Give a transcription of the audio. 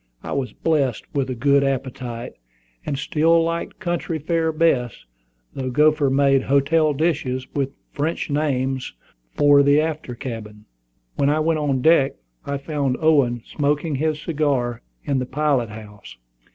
I was blessed with a good appetite, and still liked country fare best, though Gopher made hotel dishes, with French names, for the after cabin. When I went on deck, I found Owen smoking his cigar in the pilot house.